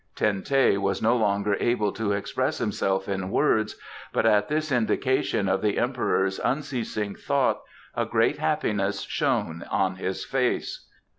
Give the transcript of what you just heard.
Ten teh was no longer able to express himself in words, but at this indication of the Emperor's unceasing thought a great happiness shone on his face.